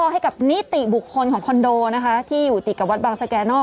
ให้กับนิติบุคคลของคอนโดนะคะที่อยู่ติดกับวัดบางสแกนอก